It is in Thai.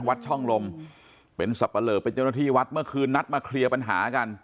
วัดช่องลมเป็นสับปะเลอเป็นเจ้าหน้าที่วัดเมื่อคืนนัดมาเคลียร์ปัญหากัน